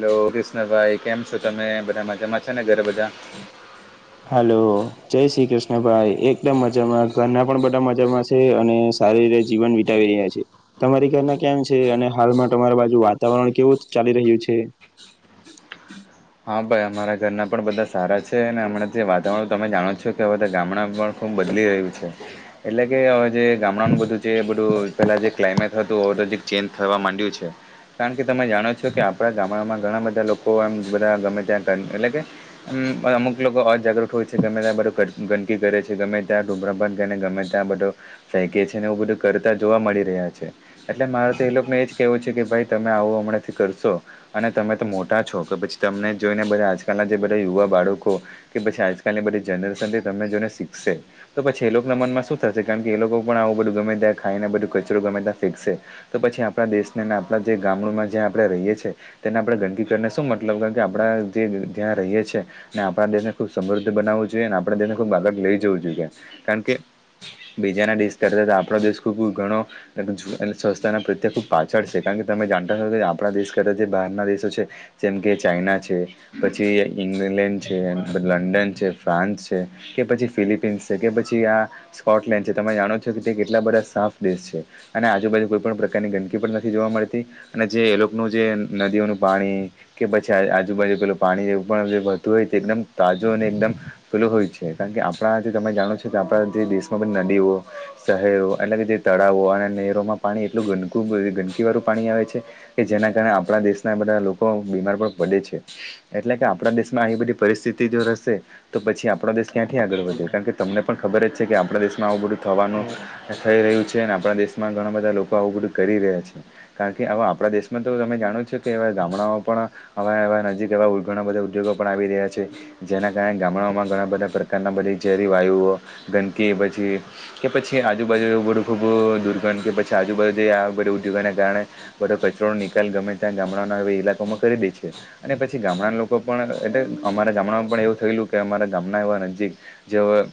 Hello, ક્રષ્ણભાઈ કેમ છો તમે? બધા મજામાં છે ને ઘરે બધા? હલો, જય શ્રી કૃષ્ણ ભાઈ, એકદ મજામાં, ઘરના પણ બધા મજામાં છ છે, અને સારી રીતે જીવન વિતાવી રહ્યા છે. તમારી ઘરના કેમ છે? અને હાલમાં તમારી બાજુ વાતાવરણ કેવું ચાલી રહ્યું છે? હા ભાઈ અમારા ઘરના પણ બધા સારા છે, અને હમણાં જે વાતાવરણ તમે જાણો છો, કે બધા ગામડાં પણ ઓમ બદલી રહ્યું છે. એટલે કે હવે જે ગામડાનું બધું જે બધું પેલા જે ક્લાયમેટ હતું, તો અજીક ચેન્જ થવા માંડ્યું છે. કારણ કે તમે જાણો છો, કે આપણા ગામડામાં ઘણા બધા લોકો એમ બધા ગમે ત્યાં ટન એટલે કે અમ પર અમુક લોકો ઓર જાગૃત હોય છે, ગમે ત્યાં બધુ ગન ગંદકી કરે છે, ગમે ત્યાં ધૂમ્રપાન ગને ગમે ત્યાં બધો ફેંકે છે, ને એવું બધું કરતા જોવા મળી રહ્યા છે. એટલે મારે તો એ લોકોને એજ કેવું છે, કે ભાઈ તમે આવું હમણાં થી કરશો. અને તમે તો મોટા છો, કે પછી તમને જોઈને બધા આજકાલના જે બધા યુવા બાળકો કે પછી આજકાલની બધી જનરેશનથી તમને જોઈને શીખશે તો પછી એ લોકો ના મનમાં શું થશે કારણ કે એ લોકો પણ આવું બધું ગમે ત્યા ખાઈને બધું કચરો ગમે ત્યા ફેંકસે તો પછી આપણા દેશને ને આપ જે ગામડુંમાં જે આપણે રહીએ છીએ તેને આપણે ગંદકી કરીને શું મત લબ કારણ કે આપણા જે ત્યાં રહીએ છીએ ને આપણા દેશને ખુબ સમૃદ્ધ બનાવવું જોઈએ અને આપણા દેશને ખૂબ આગળ લઈ જવું જોઈએ કારણ કે બીજા ના દેશ કરતા તો આપણો દેશ ખૂબ ઘણો સ્વચ્છતાના પ્રત્યે ખુબ પાછળ છે કારણ કે તમે જાણતા કે આપણા દેશ કરતા જે બહારના દેશો છે. જેમ કે ચાઈના છે પછી ઇંગ્લેન્ડ છે લંડન છે ફ્રાન્સ છે કે પછી ફિલિપિન્સ છે કે પછી આ સ્કોટલેન્ડ છે તમે જાણો છો કે તે કેટલા બધા સાફ દેશ છે. અને આજુબાજુ કોઈ પણ પ્રકારની ગંદકી પણ નથી જોવા મળતી અને જે એ લોકોનું જે નદીઓનું પાણી કે પછી આજુબાજુ પેલું પાણી જે વધુ હોય તે એકદમ તાજું અને એકદમ પેલું હોય છે કારણ કે આપણા જે તમે જાણો છો કે આપણા જે દેશમાં બધી નદીઓ શહેરો એટલે કે જે તળાવો અને નહેરોમાં પાણી એટલું ગંદકુ ગંદકી વાળું પાણી આવે છે. કે જેના કારણે આપણા દેશના બધા લોકો બીમાર પણ પડે છે. એટલે કે આપણા દેશમાં આવી બધી પરિસ્થિતિ જો રહેશે તો પછી આપણા દેશ ક્યાંથી આગળ વધે કારણ કે તમને પણ ખબર જ છે કે આપણા દેશમાં આવું બધું થવાનું હમ થઈ રહ્યું છે ને આપણા દેશમાં ઘણા બધા લોકો આવું બધું કરી રહ્યા છે. કારણ કે અવે આપણા દેશમાં તો તમે જાણો છો કે એવા ગામડાઓ પણ હવા એવા નજીક એવા ઘણા બધા ઉદ્યોગો પણ આવી રહ્યા છે. જેના કારણે ગામડાઓમાં ઘણા બધા પ્રકારના બધી ઝેરી વાયુઓ ગંદકી પછી કે પછી આજુબાજુ બધું ખૂબ દુર્ગંધ કે પછી આજુબાજુ જે બધું ઉદ્યોગોને કારણે બધો કચરો નો નિકાલ ગમે ત્યાં ગામડાના ઈલાકોમાં કરી દે છે. અને પછી ગામડાના લોકો પણ એટલે અમારા ગામડામાં પણ એવું થયેલું કે અમારા ગામના એવા નજીક જેઓ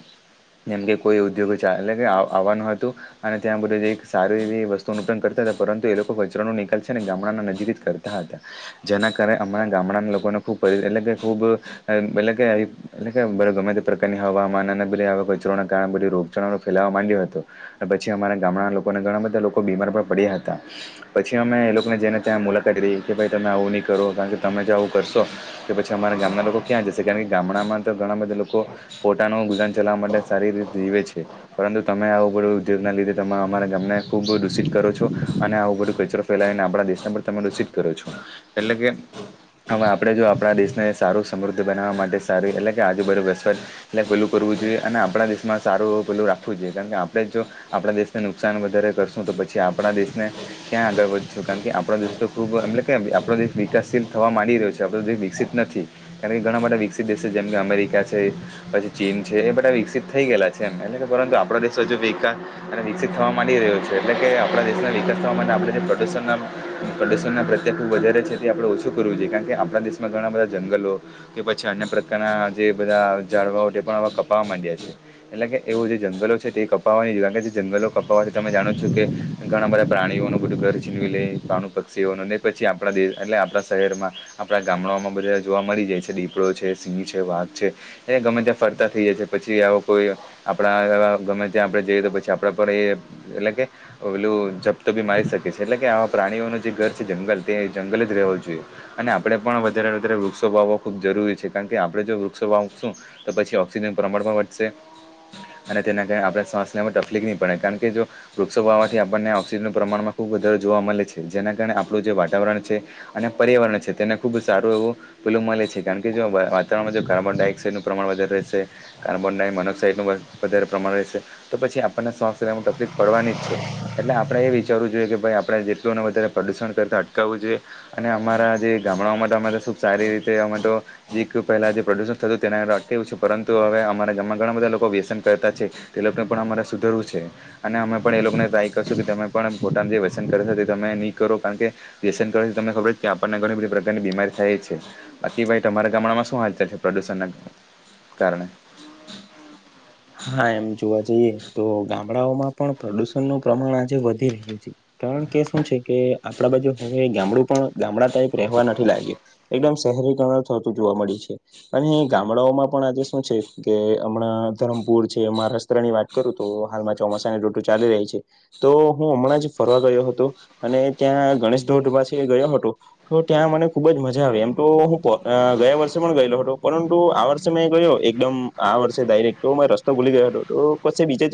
જેમ કે કોઈ ઉદ્યોગ ચાલે કે આવ આવવાનું હતું અને ત્યાં બધી એક સારી એવી વસ્તુઓ ઉપયોગ કરતા હતા પરંતુ એ લોકો કચરો નિકાલ છે ને ગામડા ના નજીક જ ક રતા હતા જેના કારણે અમણાં ગામડાના લોકોને ખૂબ એટલે કે ખૂબ એટલે કે એટલે કે ગમે તે પ્રકારની હવામાન અને બધે કચરાના કારણે રોગચાળો ફેલાવવા માંડ્યો હતો. પછી અમારા ગામડા લોકોને ઘણા બધા લોકો બીમાર પણ પડ્યા હતા. પછી અમે એ લોકોને જઈને ત્યાં મુલાકાત લીધી કે ભાઈ તમે આવું નહી કરો કારણ કે તમે જો આવું કરશો કે પછી અમારા ગામના લોકો ક્યાં જશે કારણ કે ગામડામાં તો ઘણા બધા લોકો પોતાનું ગુજરાન ચલાવવા માટે સારી રીતે જીવે છે. પરંતુ તમે આવું બધું ઉદ્યોગના લીધે તમે અમારા ગામને ખુબ દૂષિત કરો છો અને આવું બધું કચરો ફેલાવીને આપણા દેશને પણ તમે દૂષિત કરો છો એટલે કે હવે આપણે જો આપણા દેશને સારું સમૃદ્ધ બનાવવા માટે સારી એટલે કે આજુબાજુ વસવટ એટલે પેલું કરવું જોઈએ અને આપણા દેશમાં સારું એ પેલું રાખવું જોઈએ કારણ કે આપણે જો આપણા દેશને નુકસાન વધારે કરશું તો પછી આપણા દેશને ક્યાં આગળ વધશું કારણ કે આપણા દેશ તો ખુબ એમ કેમ આપણો દેશ વિકાસશીલ થવા માંડી રહ્યો છે આપણો દેશ વિકસિત નથી કારણ કે ઘણા બધા વિકસિત દેશો છે જેમ કે અમેરિકા છે પછી ચીન છે એ બધા વિકસિત થઈ ગયલા છે એમ એટલે કે પરંતુ આપણા દેશ અને વિકસિત થવા માંડી રહ્યો છે એટલે કે આપણા દેશ વિકાસ થવા માટે આપણે જે પ્રદૂષણના પ્રદૂષણના કેટલું વધારે છે તે આપણે ઓછું કરવું જોઈએ કારણ કે આપણા દેશમાં ઘણા બધા જંગલો કે પછી અન્ય પ્રકારના જે બધા ઝાડવાઓ તે પણ હવે કપાવા માંડ્યા છે. એટલે કે એવું જે જંગલો છે તે કપાવાની કારણ કે જે જંગલો કપાવવા છે તમે જાણો છો કે ઘણા બધા પ્રાણીઓનું બધું ઘર છીનવી લે પાણુ પક્ષીઓનું ને પછી આપણા દેશ એટલે આપણા શહેરમાં આપડા ગામડામાં બધા જોવા મળી જાય છે દીપડો છે સિંહ છે વાઘ છે એ ગમે ત્યાં ફરતા થઈ જશે પછી આવો કોઈ આપડા ગમે ત્યાં આપડે જઈએ તો પછી આપડા પર એ એટલે કે ઓલું જપ્તો બી મારી શકે છે એટલે કે આવા પ્રાણીઓનું જે ઘર જંગલ તે જંગલ જ રહેવું જોઈએ. અને આપડે પણ વધારે વધારે વૃક્ષો વાવો ખુબ જરૂરી છે કારણ કે આપડે જો વૃક્ષો વાવશું તો પછી ઓક્સિજન પ્રમાણ પણ વધશે અને તેના કારણે આપણે શ્વાસ લેવામાં તકલીફ નહી પડે કારણ કે જો વૃક્ષો વાવાથી આપણને ઓક્સિજનનું પ્રમાણમાં ખુબ વધારે જોવા મળે છે જેના કારણે આપણું જે વાતાવરણ છે. અને પર્યાવરણ છે તેને ખુબ જ સારું એવું પેલું મળે છે કારણ કે જો વાતાવરણમાં જો કાર્બન ડાયોક્સાઇડનું પ્રમાણ વધારે રહેશે કાર્બન ડાયોમોનોક્સાઇડ નું વધારે પ્રમાણ રહેશે તો પછી આપણને શ્વાસ લેવા તકલીફ પડવાની જ છે. એટલે આપણે એ વિચારવું જોઈએ કે ભાઈ આપણે જેટલું ને વધારે પ્રદુષણ કરતા અટકાવવું જોઈએ. અને અમારા જે ગામડાઓ માટે અમારે તો ખુબ સારી રીતે એમા તો એક પહેલા જે પ્રદુષણ થતું હતું તેના અટકાયું છે પરંતુ હવે અમારા ગામમાં ઘણા બધા લોકો વ્યસન કરતા છે તે લગન પણ અમારે સુધરવું છે. અને અમે પણ એ લોકોને ટ્રાય કરશું કે તમે પણ પોતાાનું જે વ્યસન કરે છો તે તમે નહી કરો કારણ કે વ્યસન કર તમને ખબર કે આપણને ઘણી બધી પ્રકારની બીમારી થાય છે. આકી ભાઈ તમારા ગામડામાં શું હાલચલ છે પ્રદુષણ ના કારણે હા એમ જોવા જઈએ તો ગામડાઓમાં પણ પ્રદુષણનું પ્રમાણ આજે વધી રહ્યું છે. કારણ કે શું છે કે આપણા બાજુ હવે ગામડું પણ ગામડા ટાઈપ રહેવા નથી લાગયુ એકદમ શહેરીકરણ થતું જોવા મળ્યું છે. અને ગામડાઓમાં પણ આજે શું છે કે હમણાં અતારમ પૂર છે એમાં રસ્ત્ર ની વાત કરું તો હાલમાં ચોમાસાની ઋતુ ચાલી રહી છે તો હું હમણાં જ ફરવા ગયો હતો અને ત્યાં ગણેશ ધોઢ પાસે ગયો હતો તો ત્યાં મને ખુબ જ મજા આવે એમ તો હું ગયા વર્ષે પણ ગયેલો હતો પરંતુ આ વર્ષે સમય ગયો એકદમ આ વર્ષે ડાયરેક્ટ તો રસ તો ભૂલી ગયો હતો તો પસે જ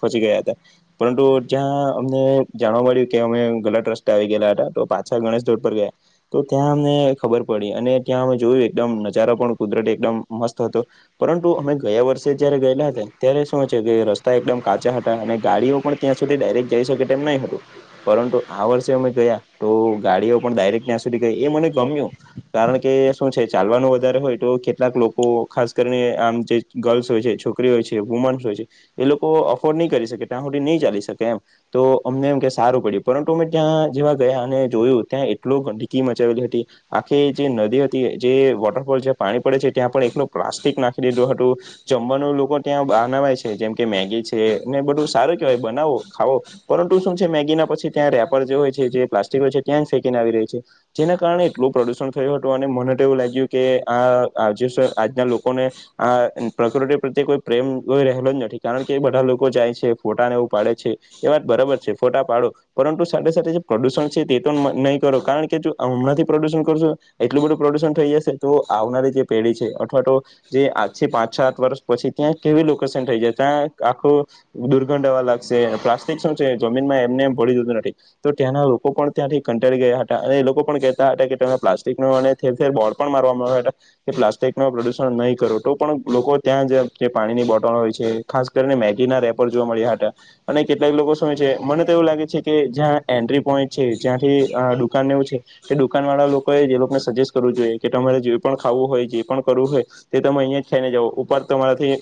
પહોચી ગયા હતા પરંતુ જ્યાં અમને જાણવા મળ્યું કે અમે ગલટ રસ્તે આવી ગયયા હતા તો પાછા ગણેશ રોડ પર ગયા તો ત્યાં અમને ખબર પડી અને ત્યાં અમે જોયું એકદમ નજારો પણ કુદરત એકદમ મસ્ત હતો. પરંતુ અમે ગયા વર્ષે જયારે ગયેલા હતા અત્યારે શું છે કે રસ્તા એકદમ કાચા હતા અને ગાડીઓ પણ ત્યાં સુધી ડાયરેક્ટ જઈ શકે તેમ નહી હતું પરંતુ આ વર્ષે અમે ગયા તો ગાડીઓ પણ ડાયરેક ત્યાં સુધી ગઈ એ મને ગમયો. કારણ કે શું છે ચાલવાનું વધારે હોય તો કેટલાક લોકો ખાસ કરીને આમ જે ગર્લ્સ હોય છે છો છોકરી હોય છે વુમન્સ હોય છે એ લોકો અફોર્ડ નહી કરી શકે ટાહુદી નહી ચાલી શકે એમ તો અમને એમ કે સારું પડ્યું પરંતુ અમે ત્યાં જેવા ગયા અને જોયું ત્યાં એટલો ગંદકી મચાવેલી હતી આખી જે નદી હતી જે વોટરફોલ જ્યાં પાણી પડે છે ત્યાં પણ એકનું પ્લાસ્ટિક નાખી લીધું હતું જમવાનું લોકો ત્યાં બનાવાય છે જેમ કે મેગી છે ને બધું સારું કેહેવાય બનાવો ખાવો પરંતુ શું છે મેગીના પછી ત્યાં રેપર જે હોય છે જે પ્લાસ્ટિક હોય છે ત્યાં જ ફેંકીને આવી રહી છે જેના કારણે એટલું પ્રદુષણ થયું હતું અને મને તો એવું લાગ્યું કે આજ આજના લોકોને આ પ્રકૃતિ પ્રતે કોઈ પ્રેમ કોઈ રહેલો જ નથી કારણ કે બધા લોકો જાય છે ફોટાને એવું પાડે છે. એ વાત બરોબર છે ફોટા પાડો પરંતુ સાથે સાથે જે પ્રદુષણ છે તે તો નહીં કરો કારણ કે જો હમણાંથી પ્રદુષણ કર છો એટલું બધું પ્રદુષણ થઈ જશે તો આવનારી જે પેઢી છે અથવા તો જે આથી પાંચ સાત વર્ષ પછી ત્યાં કેવી લોકેશન થઈ જાય ત્યાં આખું દુર્ગંધ હવા લાગશે પ્લાસ્ટિક શું છે જમીનમાં એમને એમ ભડી જતું નથી તો ત્યાંના લોકો પણ ત્યાંથી કંટળી ગયા હતા અને એ લોકો પણ કહેતા હતા કે તેમને પ્લાસ્ટિક પ્રમાણે ખેર ખેર બોર્ડ પણ મારવામાં આવ્યા હતા કે પ્લાસ્ટિક નું પ્રદુષણ નહીં કરો તો પણ લોકો ત્યાં જ જે પાણીની બોટલ હોય છે ખાસ કરીને મેગી ના રેપર જોવા મળ્યા હતા. અને કેટલાક લોકો સમય છે મને તો એવું લાગે છે કે જ્યાં એન્ટ્રી પોઈન્ટ છે જ્યાંથી દુકાનને એવું છે કે દુકાન વાળા લોકોએ જે લોકોને સજેસ્ટ કરવું જોઈએ કે તમારે જે પણ ખાવું હોય જે પણ કરવું હોય તે તમે અહીયાં જ ખાઈને જાવ ઉપર તમારાથી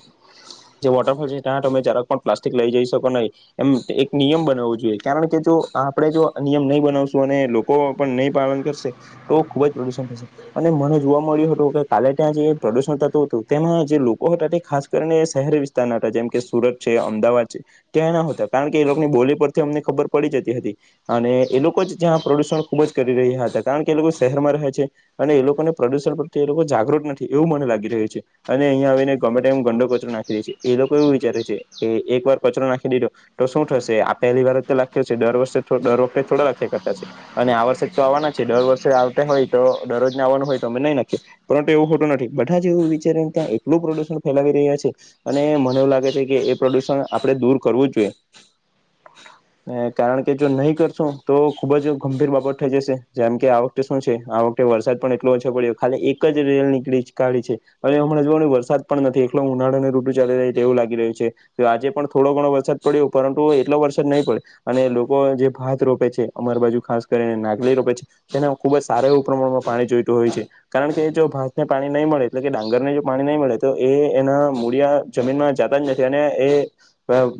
જે વોટરફોલ છે ત્યાં તમે જરાક પણ પ્લાસ્ટિક લઈ જઈ શકો નહીં. એમ એક નિયમ બનાવવો જોઈએ કારણ કે જો આપડણે જો નિયમ નહી બનાવશું અને કો પણ નહી પાલન કરશે તો ખુબ જ પ્રદુષણ થશે. અને મને જોવા મળ્યું હતું કે કાલે ત્યાં જે પ્રદુષણ થતું હતું તેમાં જે લોકો હતા તે ખાસ કરીને શહેરી વિસ્તારના હતા જેમ કે સુરત છે અમદાવાદ છે. ત્યાં નયા હતા કારણ કે એ લોકોની બોલી પરથી અમને ખબર પડી જતી હતી અને એ લોકો જયા પ્રદુષણ ખૂબ જ કરી રહ્યા હતા કારણ કે એ લોકો શહેરમાં રહે છે. અને એ લોકોને પ્રદુષણ પ્રતે એ લોકો જાગૃત નથી એવું મને લાગી રહ્યું છે અને અહીંયા આવીને ગમે એમ ગંડો કચરો નાખી દે છે એ લોકો એવું વિચારે છે કે એક વાર કચરો નાખી દીધો તો શું થશે આ પહેલી વાર તો રાખ્યો છે દર વર્ષે દર વખતે થોડા લખ્યા કરતા છે. અને આ વર્ષે જ તો આવવાના છે દર વર્ષે આવતા હોય તો દરરોજ આવવાનું હોય તો અમે નહી નાખીએ. પરંત એવુ હોતું નથી બધા જ એવું વિચારીને કા એકલુ પ્રદુષણ તો ફેલાવી રહ્યા છે અને મને એવું લાગે છે કે એ પ્રદુષણ આપણે દૂર કરવું જ જોઈએ. હ [unintelligible] ને કારણ કે જો નહી કરશો તો ખુબ જ ગંભીર બાબત થઈ જશે જેમ કે આવ શું છે આ વખતે વરસાદ પણ એટલો ઓછો પડ્યો ખાલી એક જ રેલ નીકળી કાઢી છે. અને હમણા જોવા ને વરસાદ પણ નથી એકલુ ઉનાળો અને ઋટુ ચાલી રહેાય તેવું લાગી રહ્યું છે. તો આજે પણ થોડો ઘણો વરસાદ પડ્યો પરંતુ એટલો વરસાદ નહીં પડે. અને લોકો જે ભાત રોપે છે અમાર બાજુ ખાસ કરીને નાગલી રોપે છે. તેના ખુબ જ સારા એવું પ્રમાણમાં પાણી જોઈતું હોય છે. કારણ કે જો ભાત ને પાણી નહીં મળે એટલે કે ડાંગર ને જો પાણી નહીં મળે. તો એ એના મૂળિયા જમીનમાં જાતા જ નથી અને એ.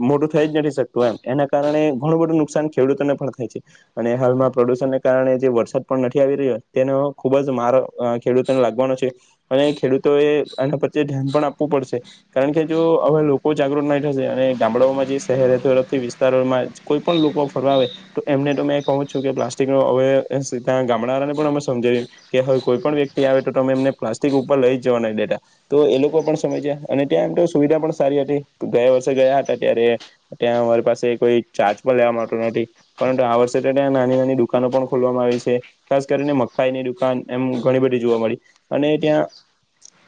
મોટું થઈ જ નથી શકતું એમ એના કારણે ઘણું બધું નુકસાન ખેડૂતોને પણ થાય છે. અને હાલમાં પ્રદુષણને કારણે જે વરસાદ પણ નથી આવી રહ્યો તેનો ખુબ જ મારો અ ખેડૂતોને લાગવાનો છે અને ખેડૂતો એ આના પ્રત્યે ધ્યાન પણ આપવું પડશે કારણ કે જો હવે લોકો જાગૃત ના થશે અને ગામડાઓમાં જે શહેર તરફથી વિસ્તારોમાં કોઈ પણ લોકો ફરવા આવે. તો એમને તો મેં કહું જ છું કે પ્લાસ્ટિકનો હવે ત્યાં ગામડાને પણ અમે સમજાવી કે હવે કોઈ પણ વ્યક્તિ આવે તો તમે એમને પ્લાસ્ટિક ઉપર લઈ જવા નહીં ડેટા તો એ લોકો પણ સમજ્યા અને ત્યાં એમ તો સુવિધા પણ સારી હતી ગયા વર્ષે ગયા હતા ત્યારે ત્યાં મારી પાસે કોઈ ચાર્જ પણ લેવા આવતુ નથી. પરંતુ આ વર્ષે તો ત્યાં નાની નાની દુકાનો પણ ખોલવામાં આવી છે. ખાસ કરીને મકાઈની દુકાન એમ ઘણી બધી જોવા મળી અને ત્યાં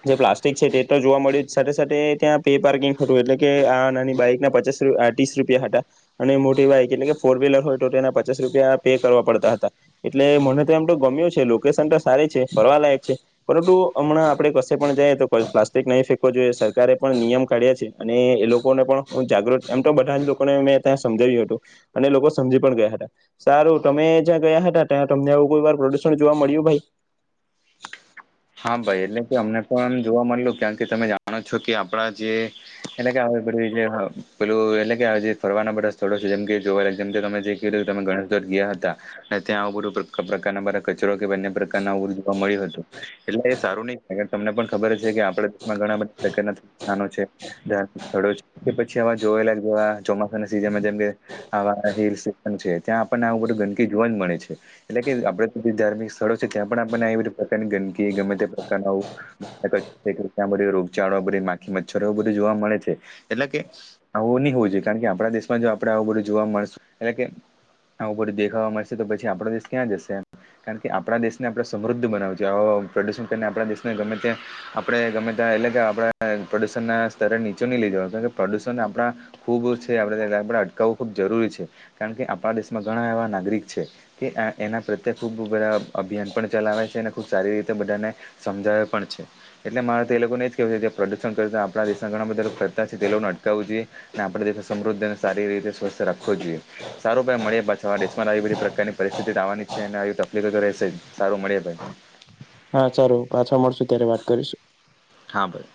જે પ્લાસ્ટ ટિક છે તે તો જોવા મળ્યું જ સાથે સાથે ત્યાં પે પાર્કિંગ થ હતું એટલે કે આ નાની બાઈક ના પચાસ ત્રીસ રૂપિયા હતા અને મોટી વાઈક એટલે કે ફોર વ્હીલર હોય તો તેના પચાસ રૂપિયા પે કરવા પડતા હતા. એટલે મને તો એમ તો ગમ્યું છે લોકેશન તો સારી છે ફરવાલાયક છે. પરંતુ હમણાં આપડણે કશે પણ જઈએ તો પણ પ્લાસ્ટિક નહીં ફેંકવો જોઈએ સરકારે પણ નિયમ કાઢ્યા છે અને એ લોકોને પણ હ જાગૃત એમ તો બધાયે લોકોને મેં ત્યાં સમજાવ્યું હતું અને એ લોકો સમજી પણ ગયા હતા. સારું તમે જ્યાં ગયા હતા ત્યાં તમને આવું કોઈ વાર પ્રદુષણ જોવા મળ્યું ભાઈ હા ભાઈ એટલે કે અમને પણ જોવા મળયુ કાકે તમે જાણો છો કે આપડા જે એટલે કે આવુ બધુ જે આ પેલુ એટલે કે આજે ફરવાના બધા સ્થળો છે જેમ કે જોવા જેમ કે તમે જે પેલા તમે ગણતર ગયા હતા અને ત્યાં આવુ બધું પ્ર પ્રકારના બરા કચરો કે બંને પ્રકારના ઉ મળ્યું હતું એટલે એ સારું નહિ કાકે તમને પણ ખબર છે કે આપણે ઘણા બધા નાનો છે ડો કે પછી જોવાલા ચોમાસા ના સિઝન જેમ કે આવા હિલ સ્ટેશન છે ત્યાં આપણનેું બધું ગંદકી જોવા જ મળે છે. એટલે કે આપડે તો જે ધાર્મિક સ્થળો છે ત્યાં પણ આપને આવી બધી પ્રકારની ગંદકી ગમે તે પ્રકાર આવું ત્યાં બધો રોગચાળો બધી માખી મચ્છરોું બધું જોવા મળે છે એટલે કે આવું નહિ હોવ જોએ કારણ કે આપણા દેશમાં જો આપડે આવું બધું જોવા મળશ એટલે કે આવું બધુ દેખાવા મળશે તો પછી આપડો દેશ ક્યાં જશે એમ કારણ કે આપણા દેશને આપણે સમૃદ્ધ બનાવે છું આવા પ્રદર્શણ કરીને આપણા દેશને ગમે ત્યાં આપડણે ગમે ત્યાં એટલે કે આપડા પ્રદુષણ ના સ્તરે નીચું નહી લીધે પ્રદુષણ આપણા ખૂબ છે આપણે આપણે અટકાવવું ખૂબ જરૂરી છે કારણ કે આપણા દેશમાં ઘણા એવા નાગરિક છે. કે એના પ્રત્યે ખૂબ બધા અભિયાન પણ ચલાવે છે અને ખૂબ સારી રીતે બધાને સમજાવે પણ છે. એટલે મારે તે લોકોને જ કહેું છે કે પ્રદર્ષણ કરતા આપણા દેશના ઘણા બધા લોકો કરતા છે તે લોકોને અટકાવું જોઈએ અને આપણે દે સમૃદ્ધને સારી રીતે સ્વસ્થ રાખવો જ જોઈએ સારું ભાઈ મળ્યા પાછવા દેશમાં આવી બધી પ્રકારની પરિસ્થિતિ આવવાની છે અને આવી તકલીફ તો રહેશે જ. સારું મળીયે ભાઈ હા સારો પાછા મળશુ ત્યારે વાત કરીશું. હા ભાઈ